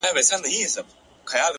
د تجربې ښوونه ژوره اغېزه لري